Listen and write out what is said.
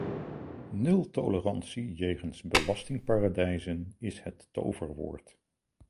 Nultolerantie jegens belastingparadijzen is het toverwoord.